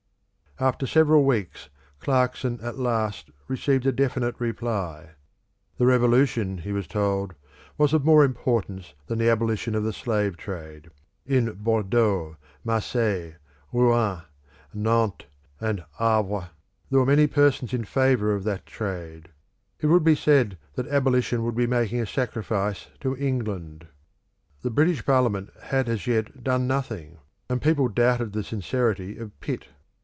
After several weeks Clarkson at last received a definite reply. The Revolution, he was told, was of more importance than the abolition of the slave trade. In Bordeaux, Marseilles, Rouen, Nantes, and Havre, there were many persons in favour of that trade. It would be said that abolition would be making a sacrifice to England. The British parliament had as yet done nothing, and people doubted the sincerity of Pitt.